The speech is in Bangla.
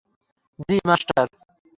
জি, মাস্টার।